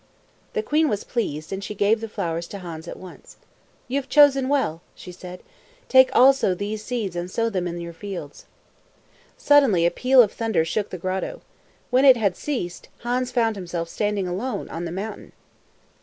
The queen was pleased, and she gave the flowers to Hans at once. "You have chosen well," said she. "Take also these seeds and sow them in your fields." Suddenly a peal of thunder shook the grotto. When it had ceased, Hans found himself standing alone on the mountain.